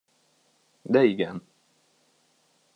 De igen.